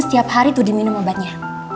setiap hari itu diminum obatnya